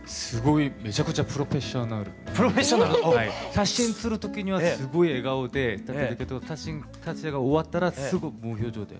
写真する時にはすごい笑顔で撮ったけど写真撮影が終わったらすぐ無表情で。